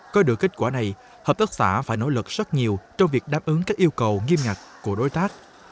có được kết quả này hợp tác xã phải nỗ lực rất nhiều trong việc đáp ứng các yêu cầu nghiêm ngặt của đối tác